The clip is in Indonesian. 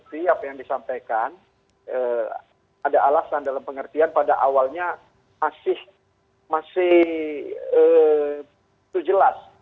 tapi apa yang disampaikan ada alasan dalam pengertian pada awalnya masih itu jelas